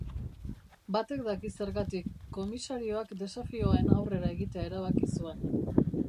Batek daki zergatik, komisarioak desafioan aurrera egitea erabaki zuen.